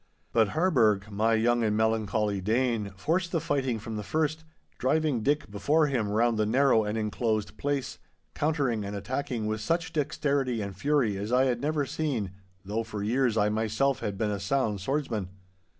But Harburgh, my young and melancholy Dane, forced the fighting from the first, driving Dick before him round the narrow and enclosed place, countering and attacking with such dexterity and fury as I had never seen, though for years I myself had been a sound swordsman.